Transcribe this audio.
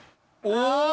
お！